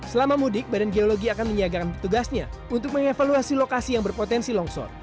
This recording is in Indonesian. selama mudik badan geologi akan menyiagakan petugasnya untuk mengevaluasi lokasi yang berpotensi longsor